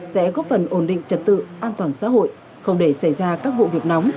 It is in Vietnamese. sẽ góp phần ổn định trật tự an toàn xã hội không để xảy ra các vụ việc nóng